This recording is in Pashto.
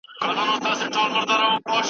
مابعدالطبيعه مفاهيم ساده کړل.